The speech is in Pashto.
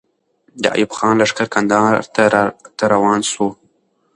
د ایوب خان لښکر کندهار ته روان سو.